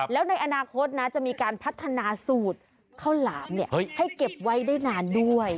แล้วในอนาคตนะจะมีการพัฒนาสูตรข้าวหลามให้เก็บไว้ได้นานด้วย